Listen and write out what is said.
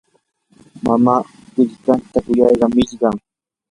mamaa willkantan kuyaylla millqan.